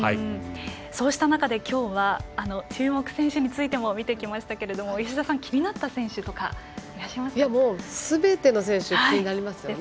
そうした中で今日は注目選手についても見ていきましたが吉田さん、気になった選手はすべての選手気になりますよね。